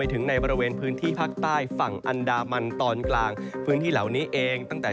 และยอมริกฤษฐานนดีตลกว่าในตอนนี้